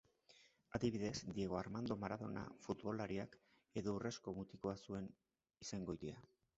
Adibidez, Diego Armando Maradona futbolariak edo urrezko mutikoa zuen izengoitia.